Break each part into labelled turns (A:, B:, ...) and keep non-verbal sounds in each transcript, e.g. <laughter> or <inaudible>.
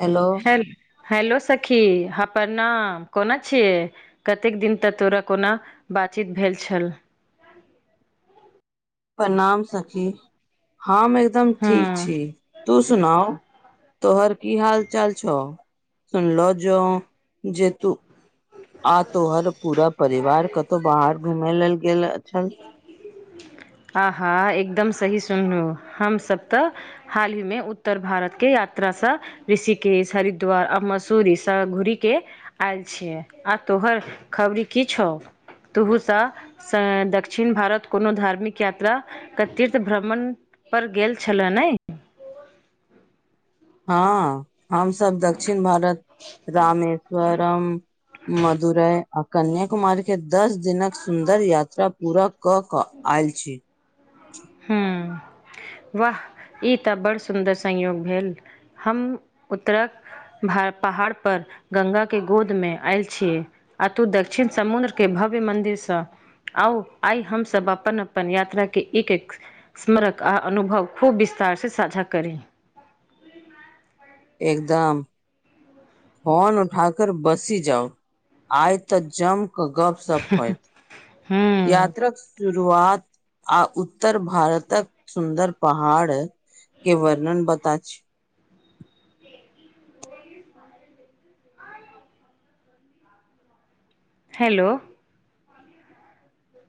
A: Hello.
B: Hello सखी हँ प्रणाम कोना छियै। कतेक दिन तक तोरा कोना बातचीत भेल छल।
A: प्रणाम सखी हम एकदम
B: हँ
A: ठीक छी तू सुनाऊ। तोहर की हाल-चाल छौ सुनलौ जौं जे तू आ तोहर पूरा परिवार कतौ बाहर घूमे लेल गेल छल।
B: आहाँ एकदम सही सुनलौं हमसब तऽ हालहिमे उत्तर भारतके यात्रासँ ऋषिकेश, हरिद्वार आ मसूरी सब घूरी के आयल छियै। आ तोहर खबरी की छौ तुहू स स दक्षिण भारत कोनो धार्मिक यात्रा क तीर्थ भ्रमण पर गेल छेलै नै।
A: हँ हमसब दक्षिण भारत रामेश्वर म मदुरई आ कन्या कुमारीके दस दिनक सुन्दर यात्रा पूरा कऽ कऽ आयल छी।
B: हूँ वाह ई तऽ बड़ सुन्दर संयोग भेल। हम उत्तरा भ पहाड़ पर गंगाके गोदमे आयल छियै। आ तू दक्षिण समुंद्र के भव्य मन्दिर सँ आउ आइ हमसब अपन-अपन यात्रा के एक-एक स्मरक आ अनुभव खूब विस्तार सँ साझा करी।
A: एकदम। फोन उठा कर बसी जाउ आइ तऽ जमकऽ गप सब होइत।
B: हम्म,
A: यात्रक शुरुआत आ उत्तर भारतक सुन्दर पहाड़ के वर्णन बता छी।
B: हेलो।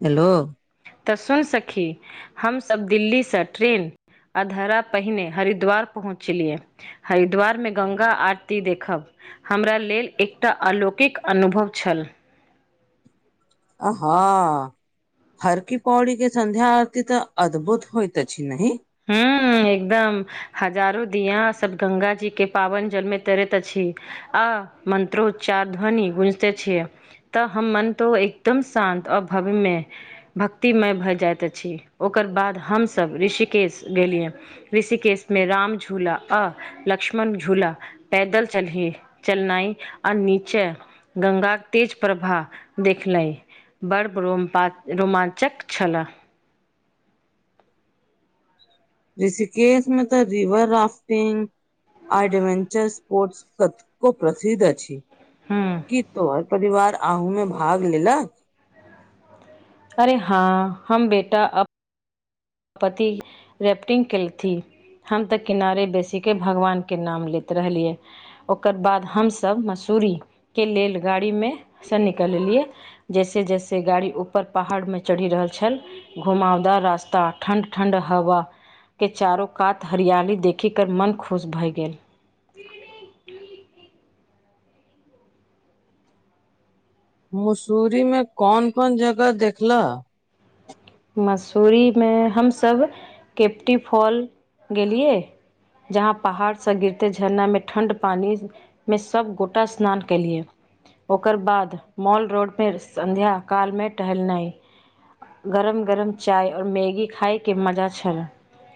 A: हेलो।
B: तऽ सुन सखी। हमसब दिल्ली स ट्रेन अधरा पहिने हरिद्वार पहुँचलियै। हरिद्वार में गंगा आरती देखब हमरा लेल एकटा आलौकिक अनुभव छल।
A: आ हँ। हर की पौड़ी के संध्या आरती तऽ अद्भुत होइत अछि, नहि?
B: हूँ एकदम हजारो दिया सब गंगा जी के पावन जल में तैरत अछि। आ मन्त्रोच्चार ध्वनि गुंजिते छियै। तऽ हम मन तो एकदम शान्त अ भव्य में भक्तिमय भए जाइत अछि ओकर बाद हमसभ ऋषिकेश गेलियै। ऋषिकेश में राम झूला आ लक्ष्मण झूला पैदल चलहि चलनाई आर नीचे गंगा के तेज प्रवाह देखलै। बड़ ब्रोम्पा रोमांचक छलऽ।
A: ऋषिकेश में तऽ रिवर राफ्टिंग आ एडवेंचर स्पोर्ट्स त को प्रसिद्ध अछि।
B: हूं
A: की तोहर परिवार आउमें भाग लेलक?
B: अरे हाँ हम बेटा अप पति रैप्टिंग केलथि हम तऽ किनारे बेसीके भगवानके नाम लैत रहलियै। ओकर बाद हमसभ मसूरीके लेल गाड़ीमे सँ निकललियै। जैसे जैसे गाड़ी ऊपर पहाड़मे चढ़ि रहल छल घुमावदार रास्ता ठण्ड ठण्ड हवाके चारू कात हरियाली देखिकर मन खुश भए गेल।
A: मसूरी मे कोन कोन जगह देखल?
B: मसूरीमे हमसभ केप्टी फॉल गेलियै जहाँ पहाड़सँ गिरते झरना में ठण्ड पानी में सब गोटा स्नान केलियै। ओकर बाद मॉल रोडपे सन्ध्या कालमे टहलनाइ गरम गरम चााय और मैगी खायके मजा छल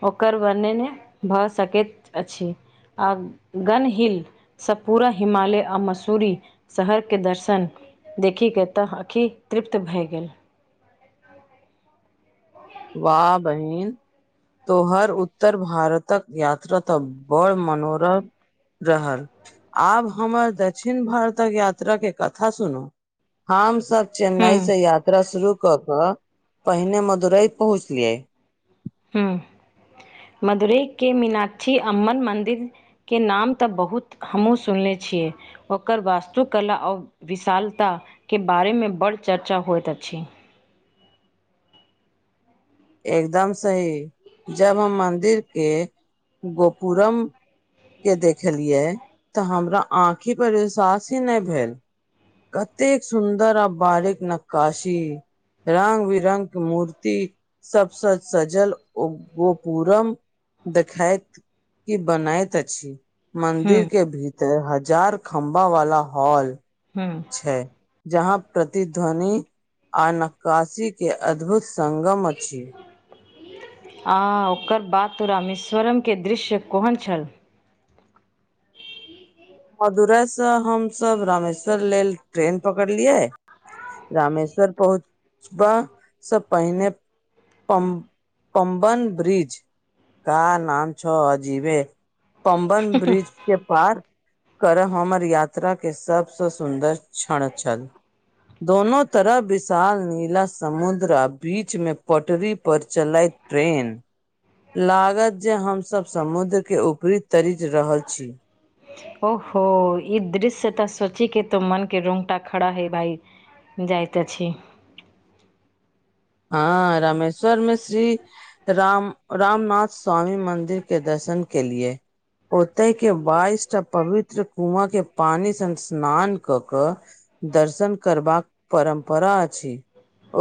B: ओकर वर्णने भऽ सकैत अछि आ गन हिल स पूरा हिमालय आ मसूरी शहर के दर्शन देखि के तऽ ऑंखि तृप्त भए गेल।
A: वाह बहिन। तोहर उत्तर भारतक यात्रा त बड़ मनोरम रहल आब हमर दक्षिण भारतक यात्राके कथा सुनू। हम सब चेन्नई
B: हुँ
A: से यात्रा शुरू क क पहिने मदुरई पहुँचलिये।
B: हूं मदुरै के मीनाक्षी अम्मन मन्दिर के नाम तऽ बहुत हमहुॅं सुनले छियै। ओकर वास्तुकला आओ विशालताके बारेमे बड्ड चर्चा होइत अछि।
A: एकदम सही जब हम मन्दिर के गोपुरम के देखलियए तऽ हमरा आँखि पर एहसासे नही भेल। कतेक सुन्दर आ बारीक नक्काशी। रंग बिरंगके मूर्ति सबसँ सजल ओ गोपुरम देखाइत कि बनाइत अछि। मन्दिर
B: हुं,
A: के भीतर हजार खम्भा वाला हॉल
B: हँ
A: छै, जहाँ प्रतिध्वनि। आ नक्कासीके अद्भुत सङ्गम अछि।
B: आ ओकर बात तो रामेश्वरम के दृश्य कोहेन छल।
A: मदुराइ से हम-सब रामेश्वर लेल ट्रेन पकड़लियै। रामेश्वर पहुँचबा से पहिने। पम-पमबन ब्रिज, का नाम छ अजीवे। पमबन ब्रिज के पार। करय हमर यात्राके सभसँ सुन्दर क्षण छल। दोनों तरफ विशाल नीला समुद्र आ बीच में पटरी पर चलैत। ट्रेन, लागत जे हम-सब समुद्र के ऊपरी तरिज रहल छी।
B: <inaudible> ओऽहो, ई दृश्य तऽ सोची के तो मन के रोंगटा खड़ा है भाइ। जाइत अछी।
A: हँ, रामेश्वर में श्री। राम, रामनाथ स्वामी मन्दिर के दर्शन केलिए। ओऽते के बाइस टा पवित्र कुआँ के पानी से स्नान क कऽ। दर्शन करबाक परम्परा अछि,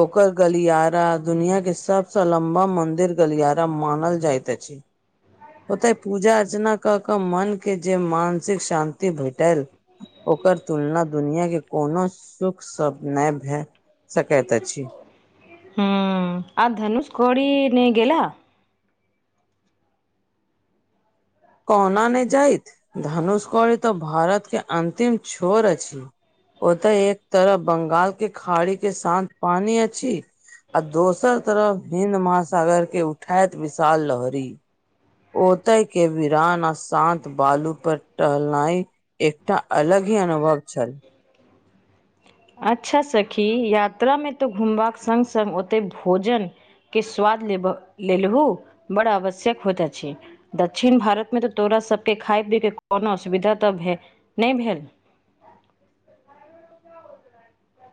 A: ओकर। गलियारा, दुनिया के सबस लंबा मंदिर गलियारा मानल जाइत अछि। ओतेऽ पूजा अर्चना कऽ कऽ मनके जे मानसिक शान्ति भेटल। ओकर तुलना दुनिया के कोनो सुख शब्द नहि भे। सकैत अछी।
B: हुं, आ धनुष कौड़ी ने गेलाऽ।
A: कोना ने जायइत, धनुष कौरी तऽ भारत के अंतिम छोर अछि। ओतय एक तरफ बंगाल के खाड़ी के शांत पानी अछि। आ दोसर तरफ हिन्द महासागर के उठाइत विशाल लहरी। ओतय के वीरान आ शान्त बालू पर टहलनाई। एकटा अलग ही अनुभव छल।
B: अच्छा सखी, यात्रा में तो घुमबाक संग-संग ओते भोजन। के स्वाद लेब लेलहु, बड्ड आवश्यक होइत अछि। दक्षिण भारत में तऽ तोरा सब के खाय -पियके कोनो असुविधा तऽ भे, नइ भेल।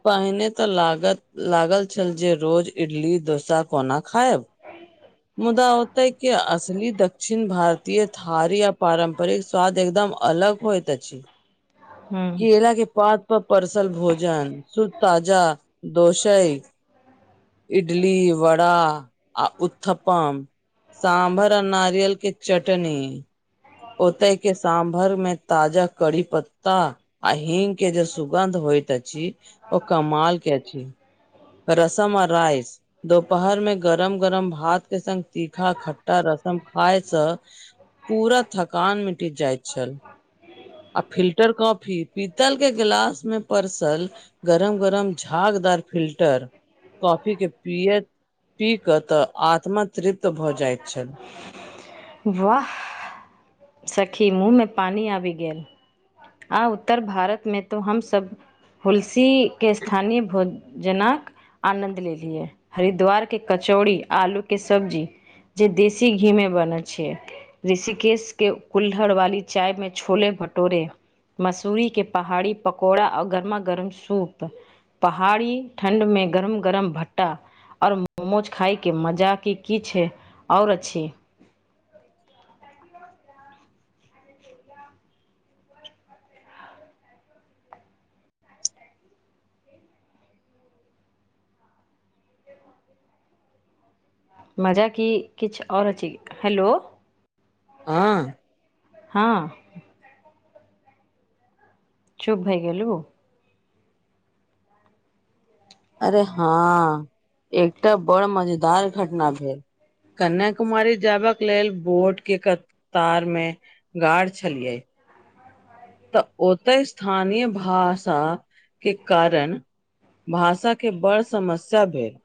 A: पहिने तऽ लागत, लागल छल जे रोज इडली-डोसा कोना खायब। मुदा ओत्ते के असली दक्षिण भारतीय थारी आ पारम्परिक स्वाद एकदम अलग। होयत अछि।
B: हूँ
A: केेला के पात पर परसल भोजन, शुद्ध, ताजा दोसई। इडली, वड़ा आ उत्थप्पम। साम्भर आ नारियल के चटनी। ओत्ते के साम्भर में ताजा कडी पत्ता। आ हींग के जे सुगन्ध होइत अछि, ओ कमाल के अछि। रस्म आ राइस। दोपहर में गरम-गरम भात के संग तीखा-खट्टा रसम खाय से। पूरा। थकान मिट जाइत छल, आ फिल्टर कॉफी, पीतल के गिलास में। परसल गरम-गरम झागदार फिल्टर। कॉफी के पिय, पी कऽ तऽ आत्मा तृप्त भ जाइत छल।
B: वाह। सखी मुँह मे पानी आबि गेल। आ उत्तर भारत मे तो हमसब हुलसी के स्थानीय भोज जेना आनन्द लेलीयै हरिद्वार के कचौड़ी, आलू के सब्जी जे देशी घी में बनल छिये ऋषिकेश के कुल्हड़ वाली चाय में छोले भटोरे मसूरी के पहाड़ी पकौड़ा आ गरमा गर्म सूप पहाड़ी ठण्ड मे गरम गरम भट्टा आ ओर मोमोज खााय के मजा के की छे आओर अछी। मजा की किछ आओर अछी, हेलो।
A: हां
B: हां चुप भय गेलु।
A: अरे हां एकटा बड़ मजेदार घटना भेल। कन्या कुमारी जाब के लेल बोट के कतार मे गाड़ छलिये। त ओतय स्थानीय भाषा के कारण भाषा के बड़ समस्या भेल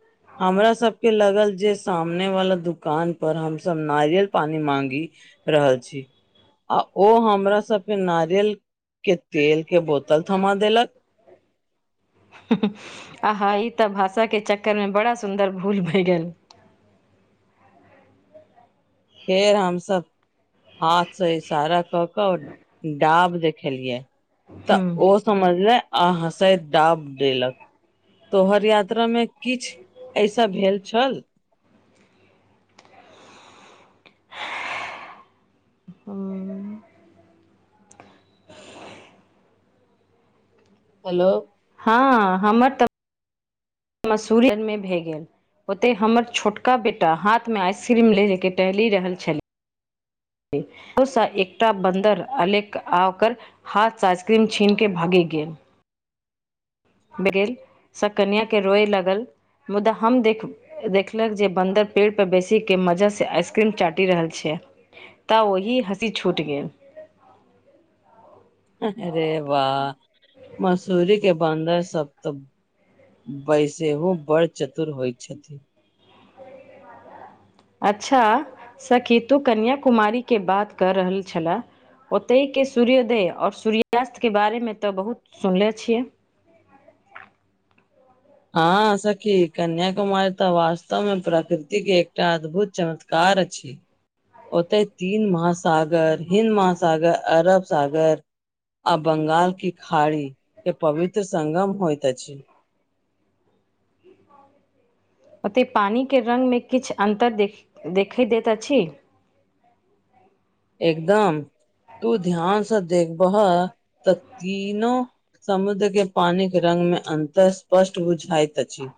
A: हमरा सबके लगल जे सामने वाला दुकान पर हमसब नारियल पानी मांगि रहल छी आ ओ हमरा सभके नारियल के तेल के बोतल थमा देलक।
B: हं हं आहा ई त भाषा के चक्कर मे बड़ा सुन्दर भूल भए गेल।
A: फेर हमसब हाथ स इशारा क क डाब देखेलियै
B: हूँ
A: त ओ समझलै आ हंसैत डाब देलक। तोहर यात्रा मे किछ ऐसा भेल छल?
B: हॅं
A: हेलो
B: हां हमर त मसूरी मे भए गेल। ओतय हमर छोटका बेटा हाथ मे आइसक्रीम ले लेके टहलि रहल छले कतौ सा एकटा बन्दर अलेक आ ओकर हाथ स आइसक्रीम छीन के भगी गेल। ब गेलसँ कनियाकेँ रोय लागल मुदा हम देख देखलक जे बन्दर पेड़पे बेसीके मजासँ आइसक्रीम चाटि रहल छै। तऽ ओहि हँसी छूट गेल।
A: अरे वाह मसूरी के बन्दर सब तऽ बैसेहु बड़ चतुर होइ छथिन।
B: अच्छा सखी तु कन्या कुमारी के बात कर रहल छल ओतयके सूर्योदय और सूर्यास्तके बारेमे तऽ बहुत सुनले छियै।
A: हाॅं सखी कन्यााकुमारी तऽ वास्तव में प्रकृति के एकटा अद्भुत चमत् कार अछि। ओतय तीन महासागर हिन्द महासागर, अरब सागर आ बंगाल की खाड़ी के पवित्र संगम होइत अछि।
B: ओतय पानी के रंग मे किछ अन्तर देख देखै दैत अछि?
A: एकदम तू ध्यान से देखबह तऽ तीनो समुद्र के पानिके रंग में अन्तर स्पष्ट बुझाइत अछि।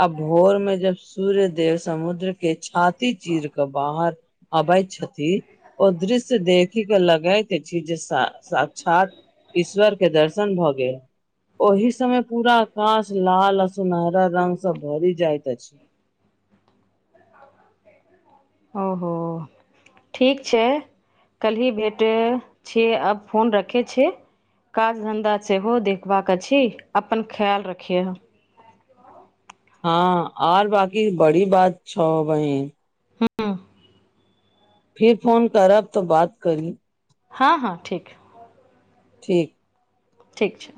A: आ भोर में जब सूर्य देेव समुद्र के छाती चीर क बाहर अबैत छथि। ओ दृश्य देखिक लगैत अछि, जे साक्षात ईश्वर के दर्शन भऽ गेल। ओहि समय पूरा आकाश लाल आ सुनहरा रंग सब भरि जाइत अछि।
B: ओ हो। ठीक छै। कल्हि भेटै छियै, आब फोन रखै छै। काज धन्धा सेहो देखबाक अछि। अपन ख्याल रखिय।
A: हँ आर बाकी बड़ी बात छौह बहिन
B: हँ।
A: फिर फोन करब तऽ बात करी।
B: हँ - हँ ठीक।
A: ठीक।
B: ठीक छै।